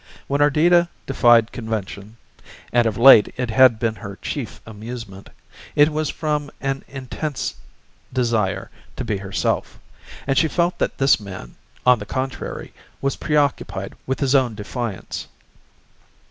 When Ardita defied convention and of late it had been her chief amusement it was from an intense desire to be herself, and she felt that this man, on the contrary, was preoccupied with his own defiance.